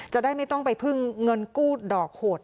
จะได้ไม่ต้องไปพึ่งเงินกู้ดอกโหด